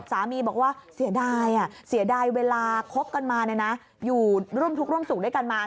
สามีบอกว่าเสียดายเสียดายเวลาคบกันมาอยู่ร่วมทุกข์ร่วมสุขด้วยกันมา